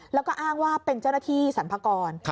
แล้วก็อ้างว่าเป็นเจ้าหน้าที่สรรพากร